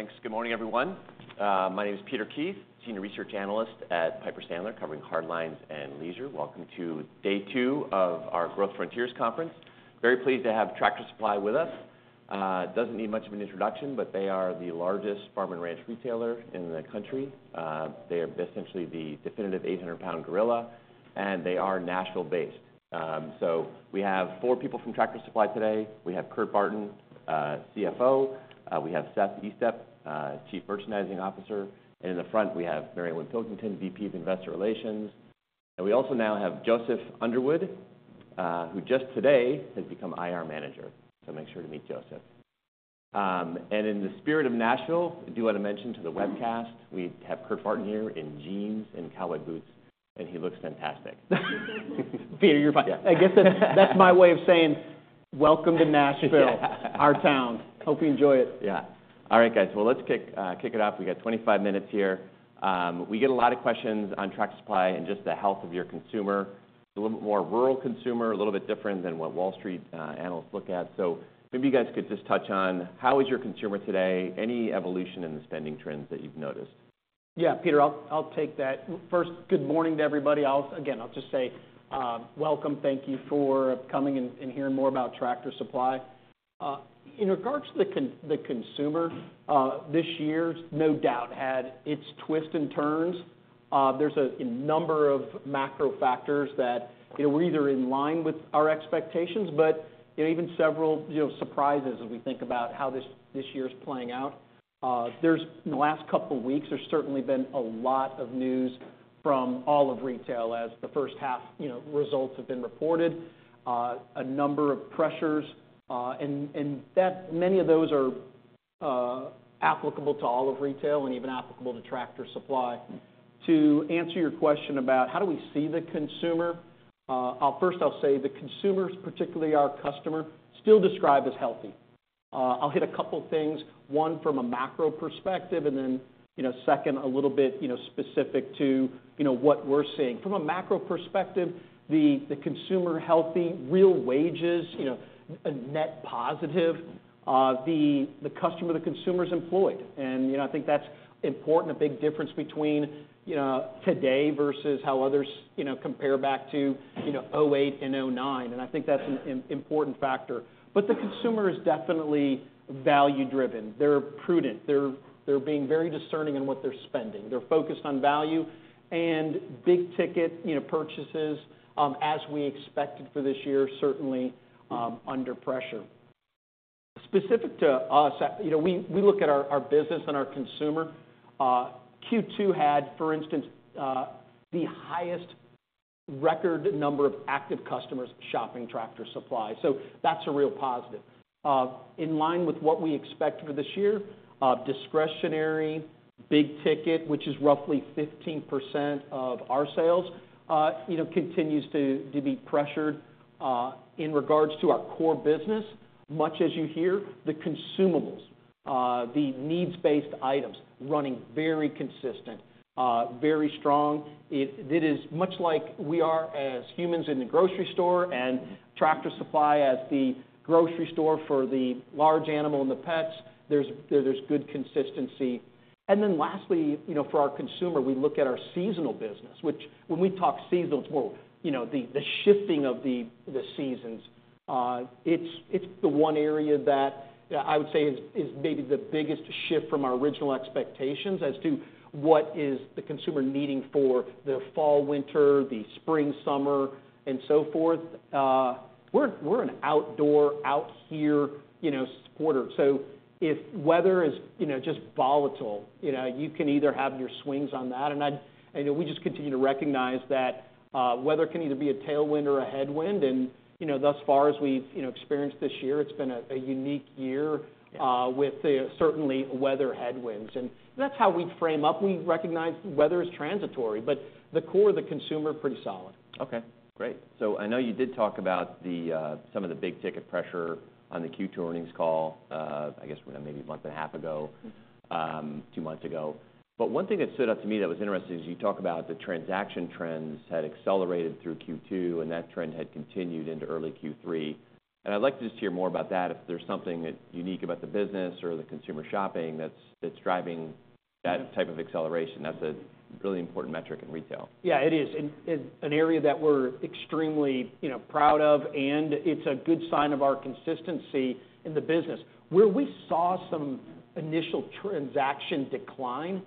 Thanks. Good morning, everyone. My name is Peter Keith, Senior Research Analyst at Piper Sandler, covering hardlines and leisure. Welcome to day two of our Growth Frontiers Conference. Very pleased to have Tractor Supply with us. Doesn't need much of an introduction, but they are the largest farm and ranch retailer in the country. They are essentially the definitive 800-pound gorilla, and they are Nashville-based. So we have four people from Tractor Supply today. We have Kurt Barton, CFO. We have Seth Estep, Chief Merchandising Officer, and in the front, we have Mary Winn Pilkington, VP of Investor Relations. We also now have Joseph Underwood, who just today has become IR manager. So make sure to meet Joseph. In the spirit of Nashville, I do want to mention to the webcast, we have Kurt Barton here in jeans and cowboy boots, and he looks fantastic. Peter, you're fine. Yeah. I guess that's, that's my way of saying, "Welcome to Nashville- Yeah. our town. Hope you enjoy it. Yeah. All right, guys. Well, let's kick it off. We got 25 minutes here. We get a lot of questions on Tractor Supply and just the health of your consumer. A little bit more rural consumer, a little bit different than what Wall Street, analysts look at. So maybe you guys could just touch on how is your consumer today, any evolution in the spending trends that you've noticed? Yeah, Peter, I'll take that. First, good morning to everybody. Again, I'll just say welcome. Thank you for coming and hearing more about Tractor Supply. In regards to the consumer, this year no doubt had its twists and turns. There's a number of macro factors that, you know, were either in line with our expectations, but, you know, even several, you know, surprises as we think about how this year is playing out. In the last couple of weeks, there's certainly been a lot of news from all of retail as the first half results have been reported. A number of pressures, and many of those are applicable to all of retail and even applicable to Tractor Supply. To answer your question about how do we see the consumer, I'll first say the consumers, particularly our customer, still describe as healthy. I'll hit a couple of things, one, from a macro perspective, and then, you know, second, a little bit, you know, specific to, you know, what we're seeing. From a macro perspective, the consumer healthy, real wages, you know, a net positive. The customer, the consumer is employed, and, you know, I think that's important, a big difference between, you know, today versus how others, you know, compare back to, you know, 2008 and 2009, and I think that's an important factor. But the consumer is definitely value-driven. They're prudent, they're being very discerning in what they're spending. They're focused on value and big-ticket, you know, purchases, as we expected for this year, certainly, under pressure. Specific to us, you know, we look at our business and our consumer. Q2 had, for instance, the highest record number of active customers shopping Tractor Supply, so that's a real positive. In line with what we expect for this year, discretionary, big ticket, which is roughly 15% of our sales, you know, continues to be pressured. In regards to our core business, much as you hear, the consumables, the needs-based items, running very consistent, very strong. It is much like we are as humans in the grocery store and Tractor Supply as the grocery store for the large animal and the pets. There's good consistency. And then lastly, you know, for our consumer, we look at our seasonal business, which when we talk seasonal, well, you know, the shifting of the seasons, it's the one area that I would say is maybe the biggest shift from our original expectations as to what is the consumer needing for the fall/winter, the spring/summer, and so forth. We're an outdoor, out here, you know, supporter. So if weather is, you know, just volatile, you know, you can either have your swings on that. And I'd... You know, we just continue to recognize that weather can either be a tailwind or a headwind. And, you know, thus far as we've, you know, experienced this year, it's been a unique year- Yeah... with the current weather headwinds. That's how we frame up. We recognize weather is transitory, but the core of the consumer, pretty solid. Okay, great. So I know you did talk about the some of the big ticket pressure on the Q2 earnings call, I guess, maybe a month and a half ago, two months ago. But one thing that stood out to me that was interesting is you talk about the transaction trends had accelerated through Q2, and that trend had continued into early Q3. And I'd like to just hear more about that, if there's something that's unique about the business or the consumer shopping, that's driving that type of acceleration. That's a really important metric in retail. Yeah, it is. And it's an area that we're extremely, you know, proud of, and it's a good sign of our consistency in the business. Where we saw some initial transaction decline,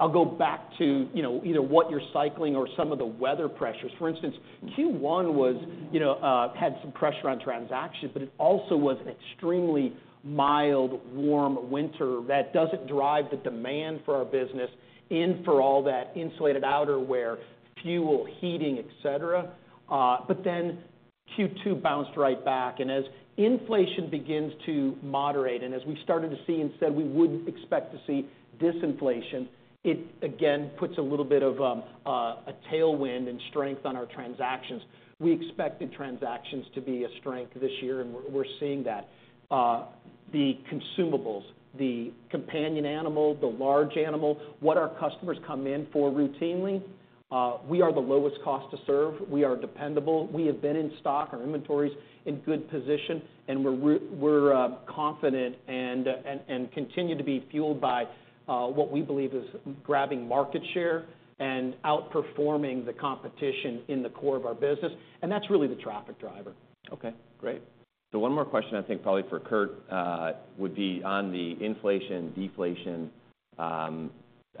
I'll go back to, you know, either what you're cycling or some of the weather pressures. For instance, Q1 was, you know, had some pressure on transactions, but it also was an extremely mild, warm winter that doesn't drive the demand for our business in for all that insulated outerwear, fuel, heating, et cetera. But then Q2 bounced right back. And as inflation begins to moderate, and as we started to see and said we would expect to see disinflation, it again puts a little bit of a tailwind and strength on our transactions. We expected transactions to be a strength this year, and we're, we're seeing that. The consumables, the companion animal, the large animal, what our customers come in for routinely, we are the lowest cost to serve. We are dependable. We have been in stock, our inventory's in good position, and we're confident and continue to be fueled by what we believe is grabbing market share and outperforming the competition in the core of our business, and that's really the traffic driver. Okay, great. So one more question, I think, probably for Kurt, would be on the inflation, deflation.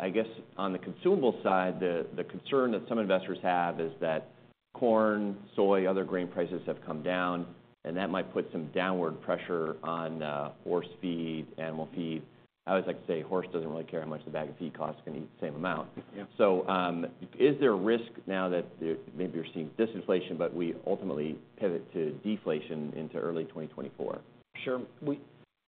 I guess on the consumable side, the concern that some investors have is that corn, soy, other grain prices have come down, and that might put some downward pressure on horse feed, animal feed. I always like to say, a horse doesn't really care how much the bag of feed costs, it's gonna eat the same amount. Yeah. Is there a risk now that maybe you're seeing disinflation, but we ultimately pivot to deflation into early 2024? Sure. We,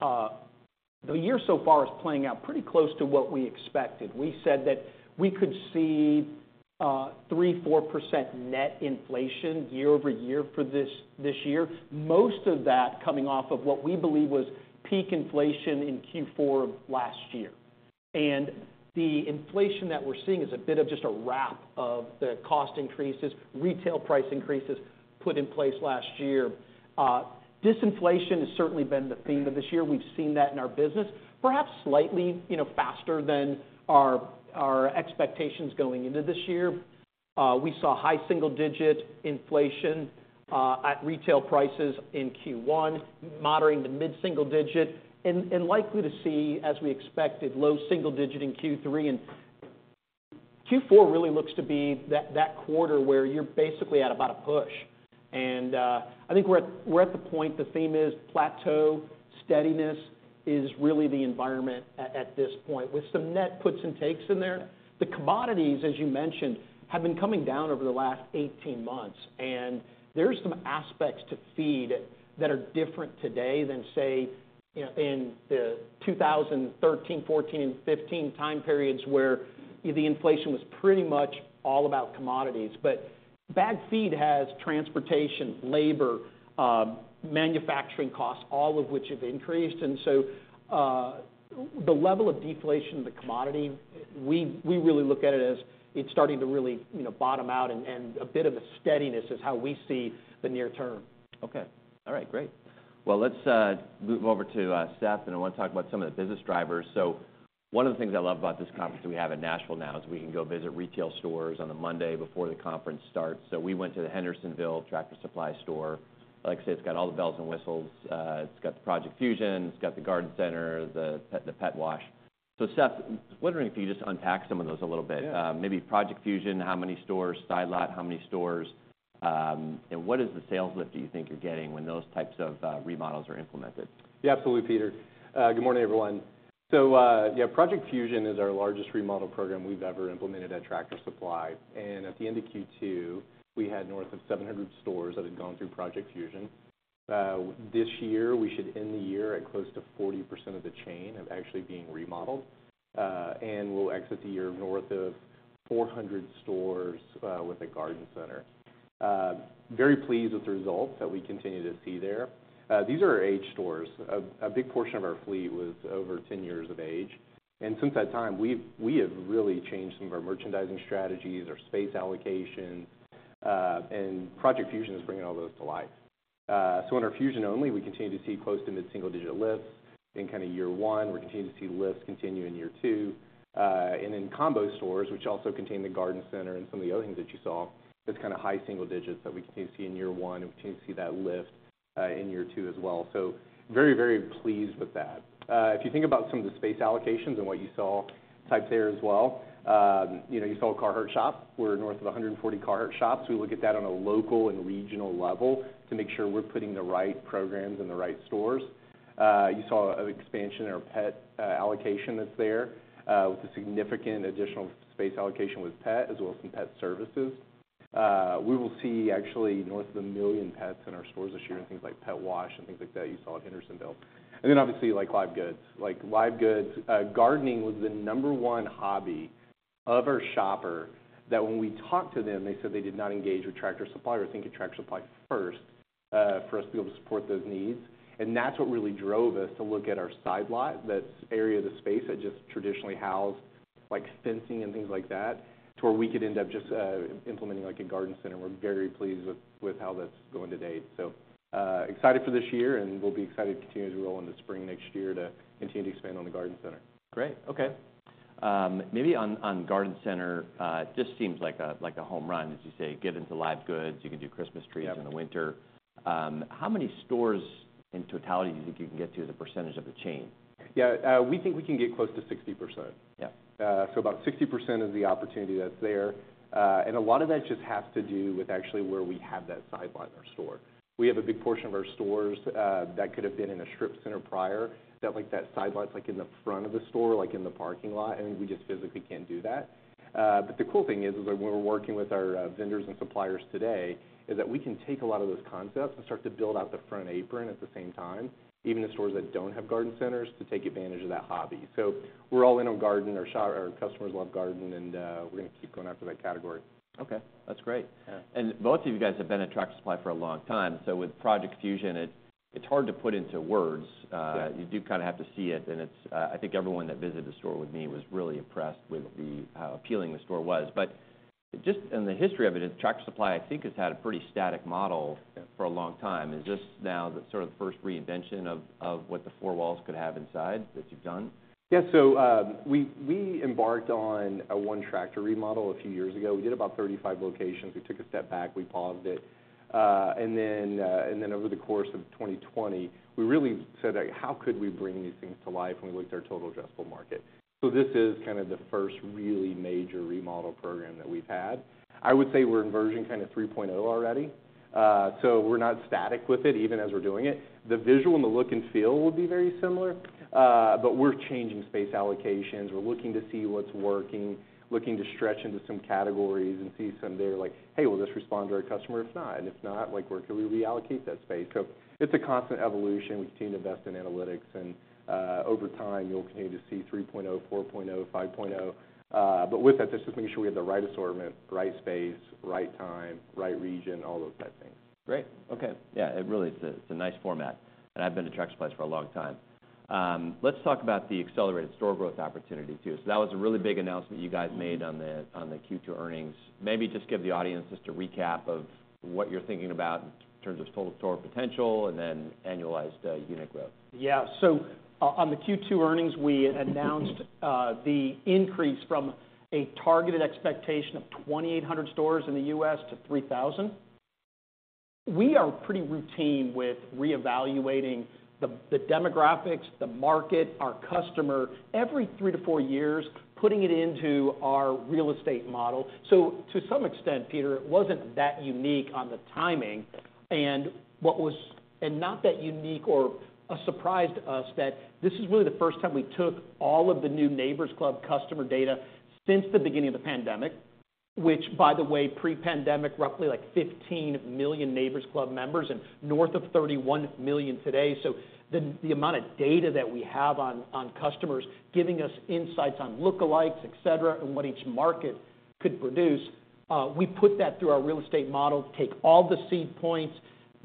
the year so far is playing out pretty close to what we expected. We said that we could see 3%-4% net inflation year-over-year for this, this year, most of that coming off of what we believe was peak inflation in Q4 of last year. And the inflation that we're seeing is a bit of just a wrap of the cost increases, retail price increases put in place last year. Disinflation has certainly been the theme of this year. We've seen that in our business, perhaps slightly, you know, faster than our, our expectations going into this year. We saw high single-digit inflation at retail prices in Q1, moderating to mid-single-digit, and likely to see, as we expected, low single-digit in Q3. Q4 really looks to be that quarter where you're basically at about a push. And, I think we're at the point, the theme is plateau. Steadiness is really the environment at this point, with some net puts and takes in there. The commodities, as you mentioned, have been coming down over the last 18 months, and there are some aspects to feed that are different today than, say, you know, in the 2013, 2014, and 2015 time periods, where the inflation was pretty much all about commodities. But bagged feed has transportation, labor, manufacturing costs, all of which have increased. And so, the level of deflation of the commodity, we really look at it as it's starting to really, you know, bottom out, and a bit of a steadiness is how we see the near term. Okay. All right, great. Well, let's move over to Seth, and I want to talk about some of the business drivers. So one of the things I love about this conference we have in Nashville now is we can go visit retail stores on the Monday before the conference starts. So we went to the Hendersonville Tractor Supply store. Like I say, it's got all the bells and whistles. It's got the Project Fusion, it's got the garden center, the pet, the pet wash. So Seth, I was wondering if you could just unpack some of those a little bit. Yeah. Maybe Project Fusion, how many stores, side lot, how many stores? And what is the sales lift do you think you're getting when those types of remodels are implemented? Yeah, absolutely, Peter. Good morning, everyone. So, yeah, Project Fusion is our largest remodel program we've ever implemented at Tractor Supply, and at the end of Q2, we had north of 700 stores that had gone through Project Fusion. This year, we should end the year at close to 40% of the chain of actually being remodeled, and we'll exit the year north of 400 stores with a garden center. Very pleased with the results that we continue to see there. These are aged stores. A big portion of our fleet was over 10 years of age, and since that time, we have really changed some of our merchandising strategies, our space allocation, and Project Fusion is bringing all those to life. So in our Fusion only, we continue to see close to mid-single-digit lifts in kind of year one. We continue to see lifts continue in year two. And in combo stores, which also contain the garden center and some of the other things that you saw, it's kind of high single digits that we continue to see in year one, and we continue to see that lift in year two as well. So very, very pleased with that. If you think about some of the space allocations and what you saw types there as well, you know, you saw a Carhartt shop. We're north of 140 Carhartt shops. We look at that on a local and regional level to make sure we're putting the right programs in the right stores. You saw an expansion in our pet allocation that's there with a significant additional space allocation with pet, as well as some pet services. We will see actually north of 1 million pets in our stores this year in things like pet wash and things like that you saw at Hendersonville. And then obviously, like, live goods. Like live goods, gardening was the number one hobby of our shopper, that when we talked to them, they said they did not engage with Tractor Supply or think of Tractor Supply first, for us to be able to support those needs. And that's what really drove us to look at our side lot, that area of the space that just traditionally housed, like, fencing and things like that, to where we could end up just implementing, like, a garden center. We're very pleased with how that's going to date. So, excited for this year, and we'll be excited to continue to roll into spring next year to continue to expand on the garden center. Great, okay. Maybe on garden center, just seems like a like a home run, as you say, get into live goods, you can do Christmas trees... Yeah... in the winter. How many stores in totality do you think you can get to, as a percentage of the chain? Yeah, we think we can get close to 60%. Yeah. About 60% of the opportunity that's there. A lot of that just has to do with actually where we have that side lot in our store. We have a big portion of our stores that could have been in a strip center prior, that, like, that side lot is, like, in the front of the store, like, in the parking lot, and we just physically can't do that. But the cool thing is that when we're working with our vendors and suppliers today, is that we can take a lot of those concepts and start to build out the front apron at the same time, even the stores that don't have garden centers, to take advantage of that hobby. So we're all in on garden. Our customers love garden, and we're gonna keep going after that category. Okay, that's great. Yeah. And both of you guys have been at Tractor Supply for a long time, so with Project Fusion, it's hard to put into words. Yeah... you do kind of have to see it, and it's, I think everyone that visited the store with me was really impressed with the, how appealing the store was. But just in the history of it, Tractor Supply, I think, has had a pretty static model- Yeah... for a long time. Is this now the sort of first reinvention of what the four walls could have inside, that you've done? Yeah. So, we embarked on a One Tractor remodel a few years ago. We did about 35 locations. We took a step back, we paused it. And then over the course of 2020, we really said that, "How could we bring these things to life when we look at our total adjustable market?" So this is kind of the first really major remodel program that we've had. I would say we're in version kind of 3.0 already. So we're not static with it, even as we're doing it. The visual and the look and feel will be very similar, but we're changing space allocations. We're looking to see what's working, looking to stretch into some categories and see if someday we're like, "Hey, will this respond to our customer?" If not, if not, like, where can we reallocate that space? So it's a constant evolution. We've continued to invest in analytics, and over time, you'll continue to see 3.0, 4.0, 5.0. But with that, just to make sure we have the right assortment, right space, right time, right region, all those type things. Great, okay. Yeah, it really is, it's a nice format, and I've been to Tractor Supply for a long time. Let's talk about the accelerated store growth opportunity, too. So that was a really big announcement you guys made- Mm-hmm... on the Q2 earnings. Maybe just give the audience just a recap of what you're thinking about in terms of total store potential and then annualized unit growth. Yeah. So on the Q2 earnings, we announced the increase from a targeted expectation of 2,800 stores in the U.S. to 3,000. We are pretty routine with reevaluating the demographics, the market, our customer, every three-four years, putting it into our real estate model. So to some extent, Peter, it wasn't that unique on the timing and what was and not that unique or surprised us, that this is really the first time we took all of the new Neighbor's Club customer data since the beginning of the pandemic, which, by the way, pre-pandemic, roughly like 15 million Neighbor's Club members and north of 31 million today. So the amount of data that we have on customers, giving us insights on lookalikes, et cetera, and what each market could produce, we put that through our real estate model to take all the seed points,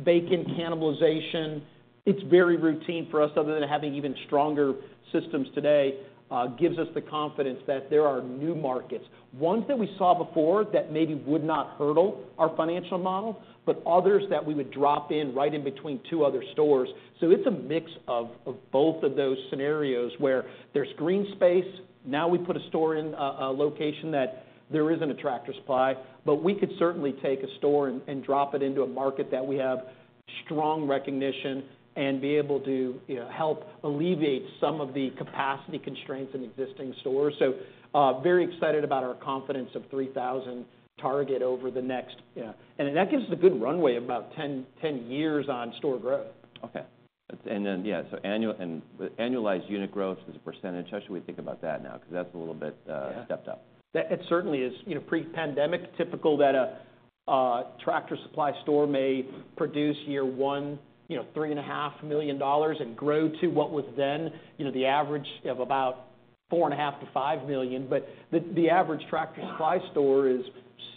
bake in cannibalization. It's very routine for us, other than having even stronger systems today, gives us the confidence that there are new markets, ones that we saw before that maybe would not hurdle our financial model, but others that we would drop in right in between two other stores. So it's a mix of both of those scenarios, where there's green space. Now, we put a store in a location that there isn't a Tractor Supply, but we could certainly take a store and drop it into a market that we have strong recognition and be able to, you know, help alleviate some of the capacity constraints in existing stores. So, very excited about our confidence of 3,000 target over the next, you know-- And that gives us a good runway of about 10, 10 years on store growth. Okay. And then, yeah, so annual and annualized unit growth as a percentage, how should we think about that now? Because that's a little bit, Yeah... stepped up. That it certainly is. You know, pre-pandemic, typical that a Tractor Supply store may produce year one, you know, $3.5 million and grow to what was then, you know, the average of about $4.5 million-$5 million. But the average Tractor Supply store is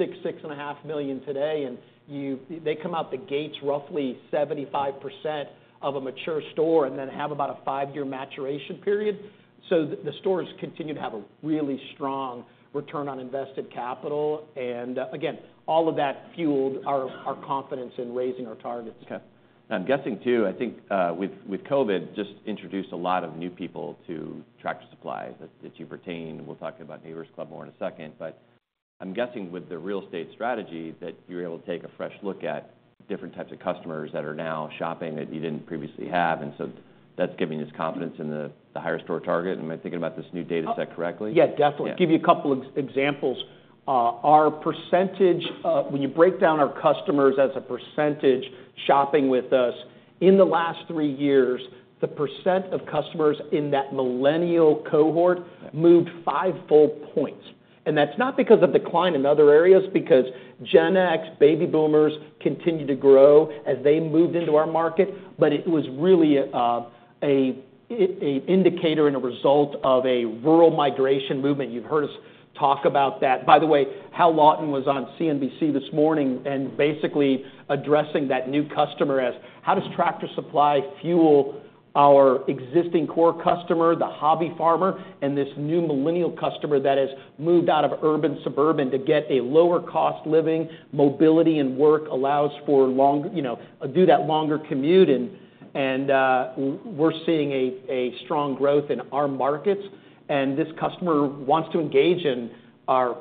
$6 million-$6.5 million today, and they come out the gates roughly 75% of a mature store and then have about a five-year maturation period. So the stores continue to have a really strong return on invested capital, and again, all of that fueled our confidence in raising our targets. Okay. I'm guessing, too, I think, with COVID, just introduced a lot of new people to Tractor Supply that you've retained. We'll talk about Neighbor's Club more in a second. But I'm guessing with the real estate strategy, that you're able to take a fresh look at different types of customers that are now shopping that you didn't previously have, and so that's giving us confidence in the higher store target. Am I thinking about this new data set correctly? Yeah, definitely. Yeah. Give you a couple of examples. Our percentage, when you break down our customers as a percentage shopping with us, in the last three years, the percent of customers in that millennial cohort moved five full points. And that's not because of decline in other areas, because Gen X, baby boomers continued to grow as they moved into our market. But it was really an indicator and a result of a rural migration movement. You've heard us talk about that. By the way, Hal Lawton was on CNBC this morning and basically addressing that new customer as, how does Tractor Supply fuel our existing core customer, the hobby farmer, and this new millennial customer that has moved out of urban, suburban, to get a lower cost living, mobility, and work allows for long, you know, do that longer commute? We're seeing a strong growth in our markets, and this customer wants to engage in our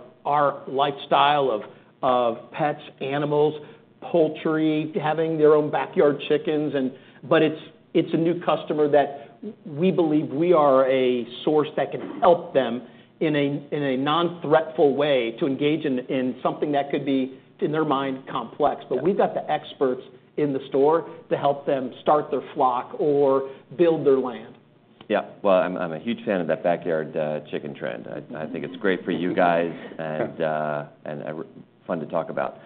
lifestyle of pets, animals, poultry, having their own backyard chickens and... But it's a new customer that we believe we are a source that can help them in a non-threatful way to engage in something that could be, in their mind, complex. Yeah. But we've got the experts in the store to help them start their flock or build their land. Yeah. Well, I'm a huge fan of that backyard chicken trend. I think it's great for you guys and fun to talk about.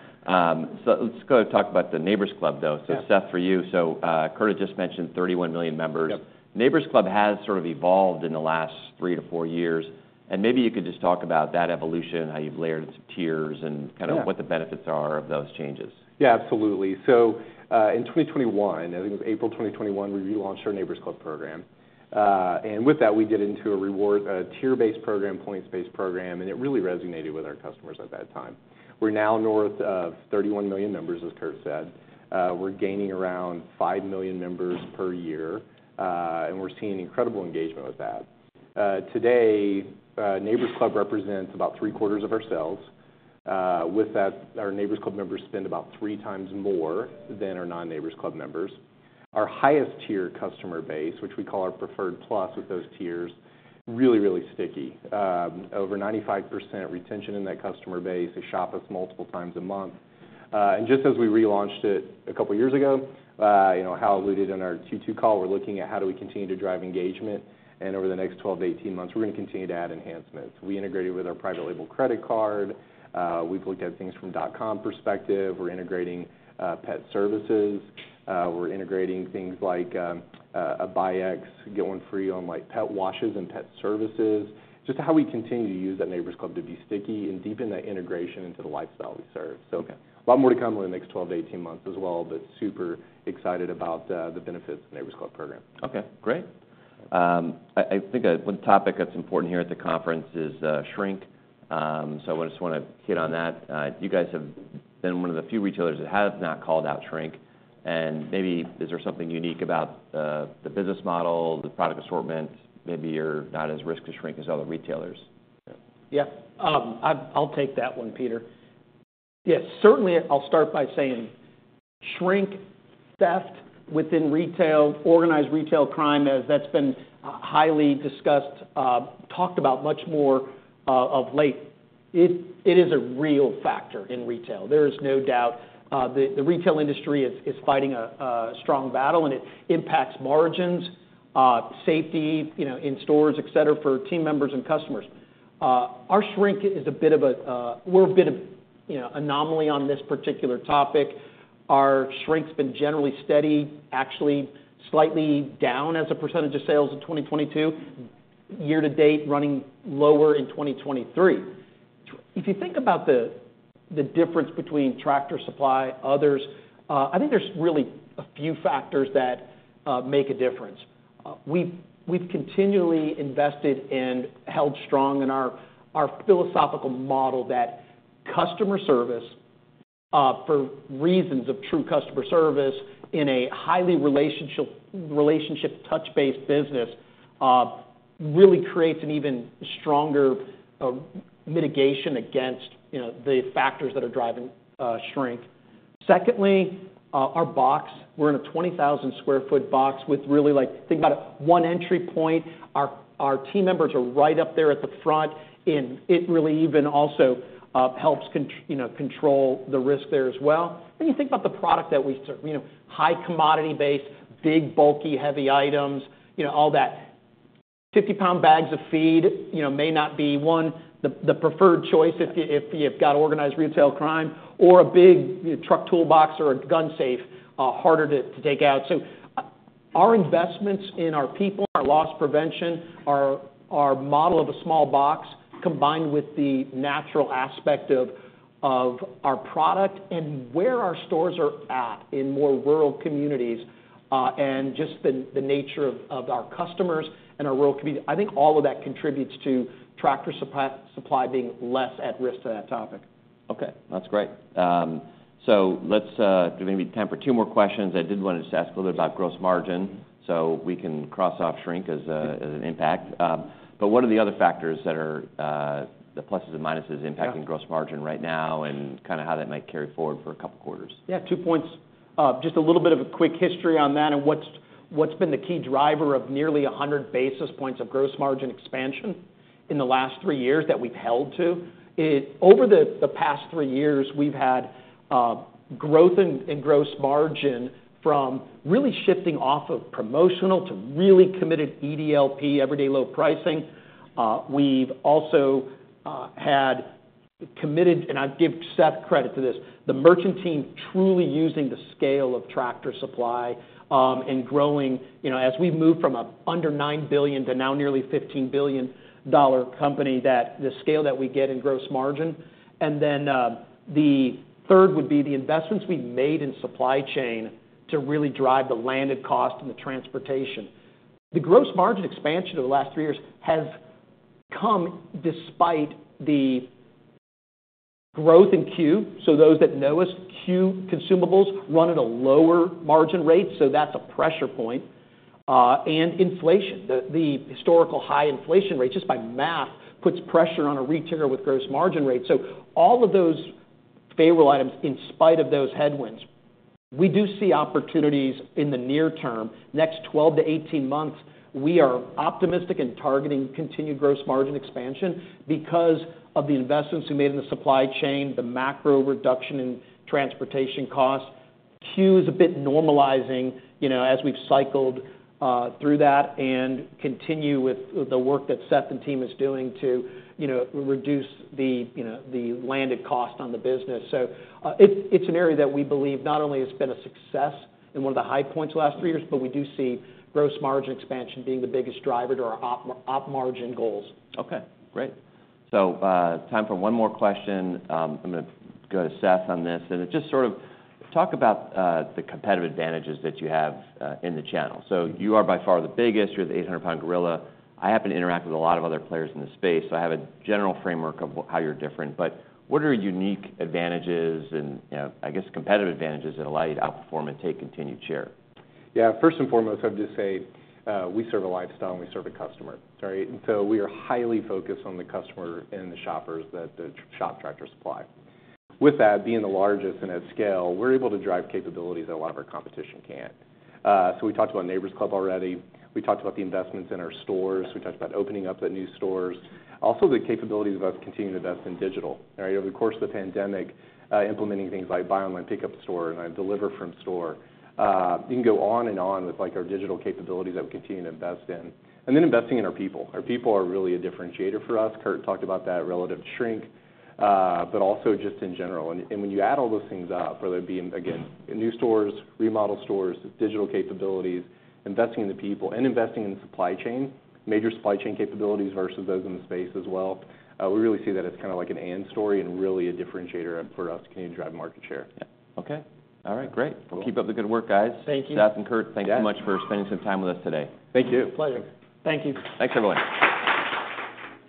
So let's go talk about the Neighbor's Club, though. Yeah. So, Seth, for you, Kurt just mentioned 31 million members. Yep. Neighbor's Club has sort of evolved in the last three-four years, and maybe you could just talk about that evolution, how you've layered into tiers, and- Yeah... kind of what the benefits are of those changes. Yeah, absolutely. So, in 2021, I think it was April 2021, we relaunched our Neighbor's Club program. And with that, we get into a reward, a tier-based program, points-based program, and it really resonated with our customers at that time. We're now north of 31 million members, as Kurt said. We're gaining around five million members per year, and we're seeing incredible engagement with that. Today, Neighbor's Club represents about three quarters of our sales. With that, our Neighbor's Club members spend about three times more than our non-Neighbor's Club members. Our highest tier customer base, which we call our Preferred Plus, with those tiers, really, really sticky. Over 95% retention in that customer base. They shop us multiple times a month. And just as we relaunched it a couple of years ago, you know, how we did in our Q2 call, we're looking at how do we continue to drive engagement, and over the next 12 months-18 months, we're gonna continue to add enhancements. We integrated with our private label credit card, we've looked at things from dot-com perspective. We're integrating pet services, we're integrating things like a buy X, get one free on, like, pet washes and pet services. Just how we continue to use that Neighbor's Club to be sticky and deepen that integration into the lifestyle we serve. So a lot more to come over the next 12 months-18 months as well, but super excited about the benefits of Neighbor's Club program. Okay, great. I think one topic that's important here at the conference is shrink. So I just wanna hit on that. You guys have been one of the few retailers that have not called out shrink, and maybe is there something unique about the business model, the product assortment? Maybe you're not as risk to shrink as other retailers. Yeah, I'll take that one, Peter. Yes, certainly, I'll start by saying shrink, theft within retail, organized retail crime, as that's been highly discussed, talked about much more of late, it is a real factor in retail. There is no doubt, the retail industry is fighting a strong battle, and it impacts margins, safety, you know, in stores, et cetera, for team members and customers. Our shrink is a bit of a - we're a bit of, you know, anomaly on this particular topic. Our shrink's been generally steady, actually slightly down as a percentage of sales in 2022. Year to date, running lower in 2023. If you think about the difference between Tractor Supply, others, I think there's really a few factors that make a difference. We've continually invested and held strong in our philosophical model that customer service for reasons of true customer service in a highly relationship touch-based business really creates an even stronger mitigation against, you know, the factors that are driving shrink. Secondly, our box. We're in a 20,000 sq ft box with really like, think about it, one entry point. Our team members are right up there at the front, and it really even also helps, you know, control the risk there as well. Then you think about the product that we serve, you know, high commodity base, big, bulky, heavy items, you know, all that. 50-pound bags of feed, you know, may not be the preferred choice if you've got organized retail crime or a big truck toolbox or a gun safe, harder to take out. So, our investments in our people, our loss prevention, our model of a small box, combined with the natural aspect of our product and where our stores are at in more rural communities, and just the nature of our customers and our rural communities. I think all of that contributes to Tractor Supply being less at risk to that topic. Okay, that's great. So let's maybe time for two more questions. I did want to just ask a little about gross margin, so we can cross off shrink as an impact. But what are the other factors that are the pluses and minuses impacting- Yeah... gross margin right now and kinda how that might carry forward for a couple of quarters? Yeah, two points. Just a little bit of a quick history on that and what's been the key driver of nearly 100 basis points of gross margin expansion in the last three years that we've held to. Over the past three years, we've had growth in gross margin from really shifting off of promotional to really committed EDLP, everyday low pricing. We've also had committed, and I give Seth credit for this, the merchant team truly using the scale of Tractor Supply, and growing, you know, as we've moved from an under $9 billion to now nearly $15 billion company, that the scale that we get in gross margin. And then, the third would be the investments we've made in supply chain to really drive the landed cost and the transportation. The gross margin expansion over the last three years has come despite the growth in C.U.E. So those that know us, C.U.E, consumables, run at a lower margin rate, so that's a pressure point, and inflation. The historical high inflation rate, just by math, puts pressure on a retailer with gross margin rate. So all of those favorable items, in spite of those headwinds, we do see opportunities in the near term. Next 12 months-18 months, we are optimistic and targeting continued gross margin expansion because of the investments we made in the supply chain, the macro reduction in transportation costs. C.U.E is a bit normalizing, you know, as we've cycled through that and continue with the work that Seth and team is doing to, you know, reduce the, you know, the landed cost on the business. So, it's an area that we believe not only has been a success and one of the high points the last three years, but we do see gross margin expansion being the biggest driver to our op margin goals. Okay, great. So, time for one more question. I'm gonna go to Seth on this, and it just sort of— Talk about, the competitive advantages that you have, in the channel. So you are by far the biggest. You're the 800-pound gorilla. I happen to interact with a lot of other players in this space, so I have a general framework of how you're different. But what are your unique advantages and, you know, I guess, competitive advantages that allow you to outperform and take continued share? Yeah. First and foremost, I'd just say, we serve a lifestyle and we serve a customer, right? And so we are highly focused on the customer and the shoppers that shop Tractor Supply. With that, being the largest and at scale, we're able to drive capabilities that a lot of our competition can't. So we talked about Neighbor's Club already. We talked about the investments in our stores. We talked about opening up the new stores. Also, the capabilities of us continuing to invest in digital, right? Over the course of the pandemic, implementing things like buy online, pickup in store, and deliver from store. You can go on and on with, like, our digital capabilities that we continue to invest in. And then investing in our people. Our people are really a differentiator for us. Kurt talked about that relative to shrink, but also just in general. And, and when you add all those things up, whether it be, again, in new stores, remodeled stores, digital capabilities, investing in the people and investing in the supply chain, major supply chain capabilities versus those in the space as well, we really see that as kinda like an and story and really a differentiator for us to continue to drive market share. Yeah. Okay. All right, great. Cool. Well, keep up the good work, guys. Thank you. Seth and Kurt- Yeah. Thank you so much for spending some time with us today. Thank you. It's a pleasure. Thank you. Thanks, everyone.